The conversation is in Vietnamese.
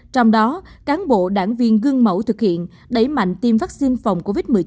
trong đó cán bộ đảng viên gương mẫu thực hiện đẩy mạnh tiêm vaccine phòng covid một mươi chín